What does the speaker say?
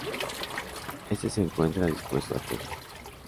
Este se encuentra dispuesto a todo.